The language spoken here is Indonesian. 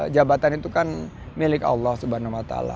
jabatan itu kan milik allah swt